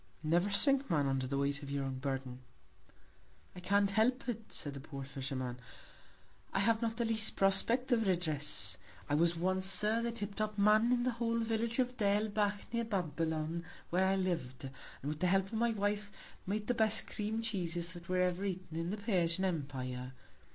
Never sink Man, under the Weight of your Burden. I can't help it, said the poor Fisherman; I have not the least Prospect of Redress. I was once, Sir, the tip top Man of the whole Village of Derlbach, near Babylon, where I liv'd, and with the Help of my Wife, made the best Cream Cheeses that were ever eaten in the Persian Empire.